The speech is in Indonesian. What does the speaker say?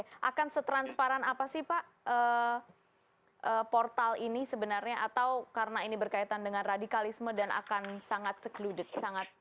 jadi peransparan apa sih pak portal ini sebenarnya atau karena ini berkaitan dengan radikalisme dan akan sangat secluded sangat tertutup